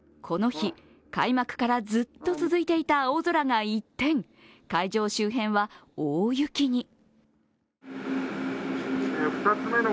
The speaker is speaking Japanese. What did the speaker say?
この日、開幕からずっと続いていた青空が一転、会場周辺は大雪に。